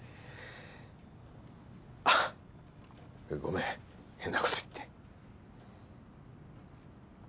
あっごめん変なこと言って。